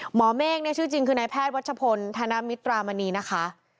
หมอเมฆเนี่ยชื่อจริงคือนายแพทย์วัชพลธนมิตรามณีนะคะ